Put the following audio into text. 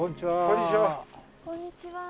こんにちは。